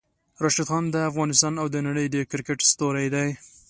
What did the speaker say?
راشد خان د افغانستان او د نړۍ د کرکټ ستوری ده!